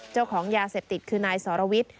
เจ้าของยาเสพติดคือนายสรวิทย์